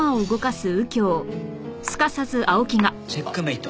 チェックメイト！